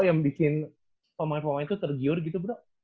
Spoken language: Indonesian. yang bikin pemain pemain itu tergiur gitu bro